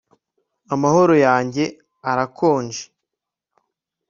Amaboko yanjye arakonje